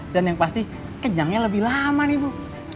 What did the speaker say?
dan yang pasti kenyangnya lebih lama nih bu